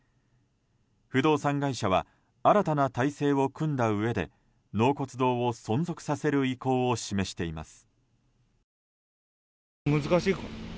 不動産会社は新たな体制を組んだうえで納骨堂を存続させる意向を示しています。